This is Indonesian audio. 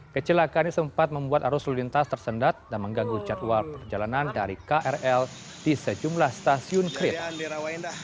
kecelakaan ini sempat membuat arus lintas tersendat dan mengganggu jadwal perjalanan dari krl di sejumlah stasiun kereta